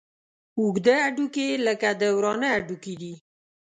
اوږده هډوکي لکه د ورانه هډوکي دي.